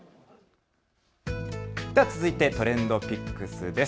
では続いてＴｒｅｎｄＰｉｃｋｓです。